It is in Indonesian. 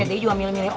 ya saya mau coba mereka